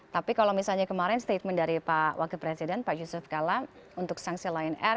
tapi kalau misalnya kemarin statement dari pak wakil presiden pak yusuf kalla untuk sanksi lion air